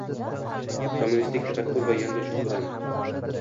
kommunistik tafakkur va yondashuv bilan